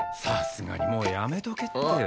さすがにもうやめとけって。